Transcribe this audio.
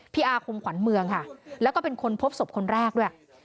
อาคมขวัญเมืองค่ะแล้วก็เป็นคนพบศพคนแรกด้วย